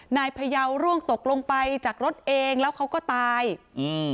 นายพยาวร่วงตกลงไปจากรถเองแล้วเขาก็ตายอืม